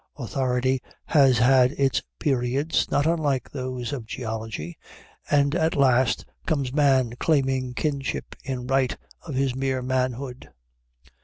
Authority has had its periods not unlike those of geology, and at last comes Man claiming kingship in right of his mere manhood.